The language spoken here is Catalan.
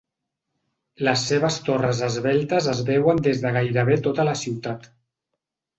Les seves torres esveltes es veuen des de gairebé tota la ciutat.